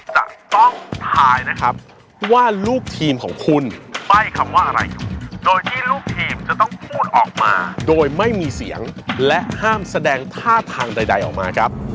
จะต้องทายนะครับว่าลูกทีมของคุณป้ายคำว่าอะไรอยู่โดยที่ลูกทีมจะต้องพูดออกมาโดยไม่มีเสียงและห้ามแสดงท่าทางใดออกมาครับ